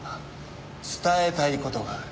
伝えたい事がある。